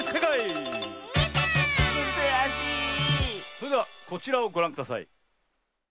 それではこちらをごらんください。